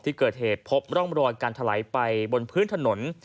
ที่เกิดเหตุพบร่องรอยการถลายไปบนพื้นถนน